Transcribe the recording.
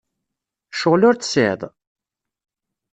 Ccɣel ur t-tesɛiḍ?